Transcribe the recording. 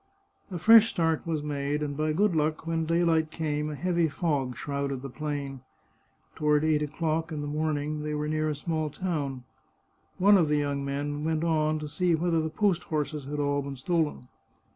A fresh start was made, and by good luck, when daylight came, a heavy fog shrouded the plain. Toward eight o'clock in the morning they were near a small town. One of the young men went on to see whether the post horses had all been stolen.